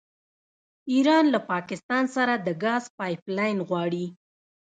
ایران له پاکستان سره د ګاز پایپ لاین غواړي.